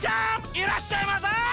いらっしゃいませ！